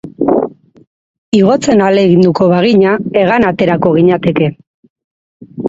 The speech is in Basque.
Igotzen ahaleginduko bagina hegan aterako ginateke.